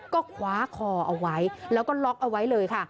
ก็คว้าคอเอาไว้แล้วก็ล็อกเอาไว้เลยค่ะ